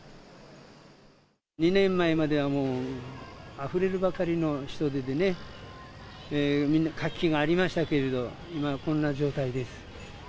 ２年前までは、あふれるばかりの人出でね、みんな活気がありましたけども、今はこんな状態です。